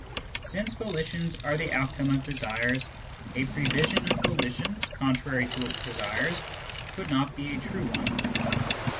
Since volitions are the outcome of desires, a prevision of volitions contrary to desires could not be a true one.